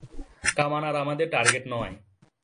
কামান আর আমাদের টার্গেট নয়।